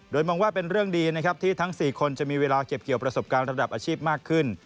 โดยมองว่าเป็นเรื่องดีนะครับที่ทั้ง๔คนจะมีเวลาเก็บเกี่ยวประสบการณ์ระดับอาชีพมากขึ้น